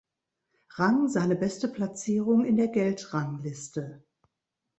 Rang seine beste Platzierung in der Geldrangliste.